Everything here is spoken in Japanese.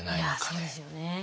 いやそうですよね。